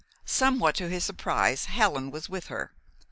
Somewhat to his surprise, Helen was with her.